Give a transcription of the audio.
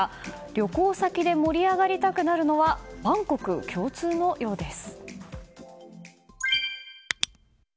旅行先で盛り上がりたくなるのは万国共通のようです。